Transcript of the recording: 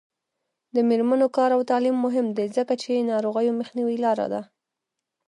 د میرمنو کار او تعلیم مهم دی ځکه چې ناروغیو مخنیوي لاره ده.